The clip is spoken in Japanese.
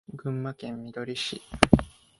群馬県みどり市